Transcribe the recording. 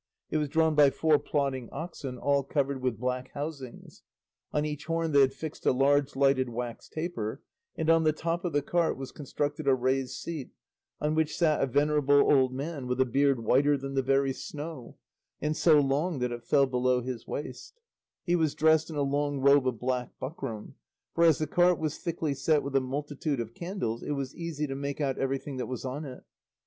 It was drawn by four plodding oxen all covered with black housings; on each horn they had fixed a large lighted wax taper, and on the top of the cart was constructed a raised seat, on which sat a venerable old man with a beard whiter than the very snow, and so long that it fell below his waist; he was dressed in a long robe of black buckram; for as the cart was thickly set with a multitude of candles it was easy to make out everything that was on it.